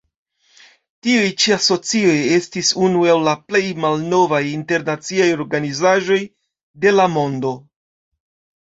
Tiu ĉi asocio estis unu el la plej malnovaj internaciaj organizaĵoj de la mondo.